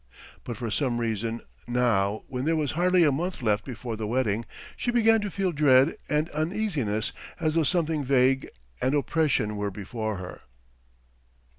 But for some reason now when there was hardly a month left before the wedding, she began to feel dread and uneasiness as though something vague and oppressive were before her.